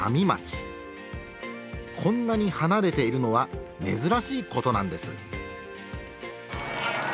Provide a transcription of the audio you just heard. こんなに離れているのは珍しいことなんです。